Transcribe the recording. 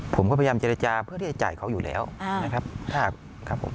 ผมก็พยายามเจรจาเพื่อที่จะจ่ายเขาอยู่แล้วนะครับผม